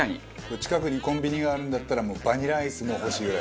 近くにコンビニがあるんだったらバニラアイスも欲しいぐらい。